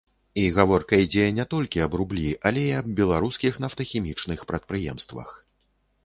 І гаворка ідзе не толькі аб рублі, але і аб беларускіх нафтахімічных прадпрыемствах.